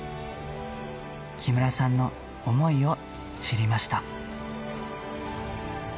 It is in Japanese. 木村さんの想いを知りました。